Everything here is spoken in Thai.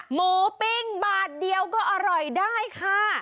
หมูปิ้งบาทเดียวก็อร่อยได้ค่ะ